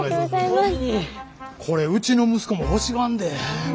これうちの息子も欲しがんで。